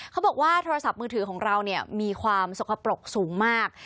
เขาบอกว่าโทรศัพท์มือถือของเรามีความสกปรกสูงมาก